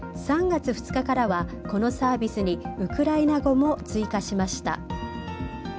３月２日からはこのサービスにウクライナ語も追加しました。